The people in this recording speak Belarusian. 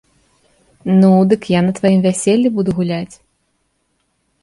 Ну, дык я на тваім вяселлі буду гуляць.